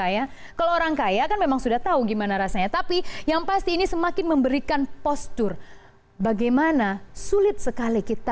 yang dipercaya dari dunia